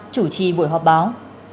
chủ trì buổi họp báo